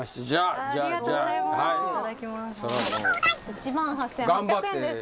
１万８，８００円です。